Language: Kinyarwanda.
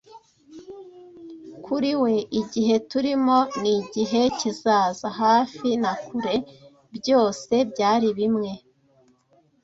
Kuri we, igihe turimo n’igihe kizaza, hafi na kure, byose byari bimwe